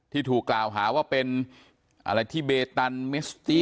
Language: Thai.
ที่ถูกกล่าวหาว่าเป็นอะไรที่เบตันมิสตี้